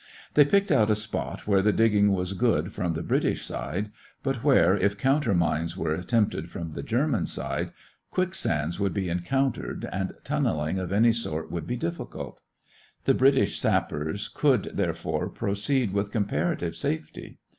They picked out a spot where the digging was good from the British side, but where, if counter mines were attempted from the German side, quicksands would be encountered and tunneling of any sort would be difficult. The British sappers could, therefore, proceed with comparative safety.